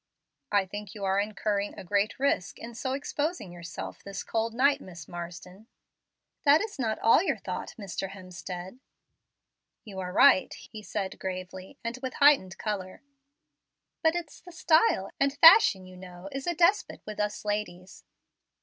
"I think you are incurring a great risk in so exposing yourself this cold night, Miss Marsden." "That is not all your thought, Mr. Hemstead." "You are right," he said gravely, and with heightened color. "But it's the style; and fashion, you know, is a despot with us ladies."